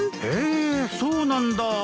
へぇそうなんだ。